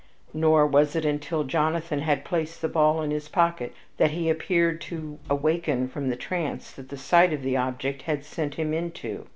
Nor was it until Jonathan had replaced the ball in his pocket that he appeared to awaken from the trance that the sight of the object had sent him into.